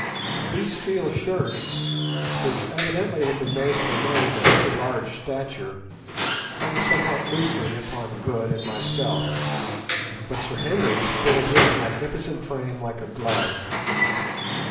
These steel shirts, which evidently had been made for men of a very large stature, hung somewhat loosely upon Good and myself, but Sir Henry's fitted his magnificent frame like a glove.